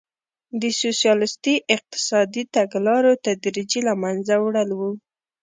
د سوسیالیستي اقتصادي تګلارو تدریجي له منځه وړل وو.